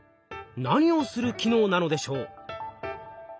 何をする機能なのでしょう？